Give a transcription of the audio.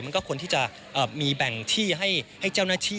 มันก็ควรที่จะมีแบ่งที่ให้เจ้าหน้าที่